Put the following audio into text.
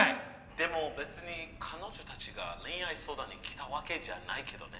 でも別に彼女たちが恋愛相談に来たわけじゃないけどね？